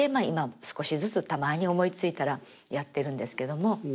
今も少しずつたまに思いついたらやってるんですけども。